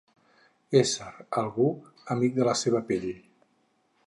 Ésser, algú, amic de la seva pell.